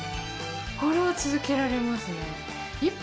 これは続けられますね。